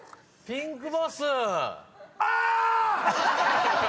ピンクボス。